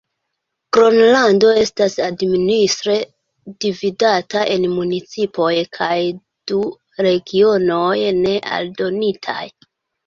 Gronlando estas administre dividata en municipoj kaj du regionoj ne aldonitaj.